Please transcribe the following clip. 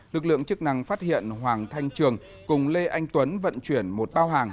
lực lượng chức năng phát hiện hoàng thanh trường cùng lê anh tuấn vận chuyển một bao hàng